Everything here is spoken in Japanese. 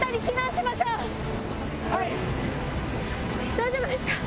大丈夫ですか？